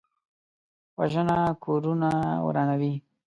وژنه کورونه ورانوي